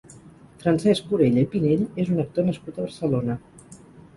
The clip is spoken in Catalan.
Francesc Orella i Pinell és un actor nascut a Barcelona.